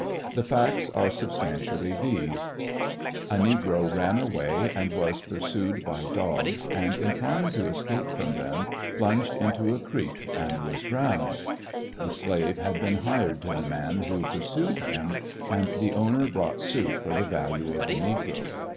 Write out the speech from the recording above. The facts were substantially these: A negro ran away, was pursued by dogs, and in trying to escape from them plunged into a creek and was drowned. The slave had been hired to the man who purpued him, and the owner brought suit for the value of the negro.